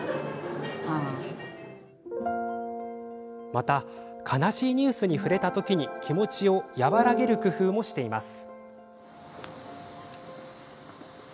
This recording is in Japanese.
また、悲しいニュースに触れた時に気持ちを和らげる工夫もしています。